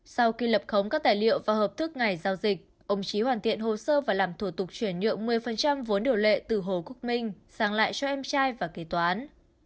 sau khi lập khống các tài liệu và hợp thức ngày giao dịch ông trí hoàn thiện hồ sơ và làm thủ tục chuyển nhượng một mươi vốn điều lệ từ hồ quốc minh sang lại cho em trai và kế toán